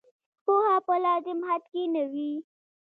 پوهه په لازم حد کې نه وي.